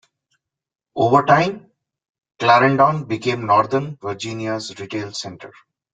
Over time, Clarendon became Northern Virginia's retail center.